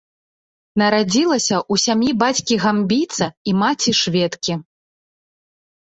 Нарадзілася ў сям'і бацькі-гамбійца і маці-шведкі.